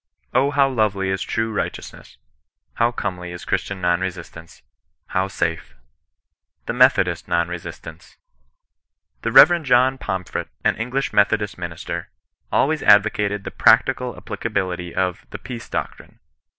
O how lovely is true righteousness ! How comely is Christian non resistance ! How safe !• TWO METHODIST NON EESISTAKTS. " The Rev. John Pomphret, an English Methodist minister, always advocated the practical applicability of the ' peace doctrine.'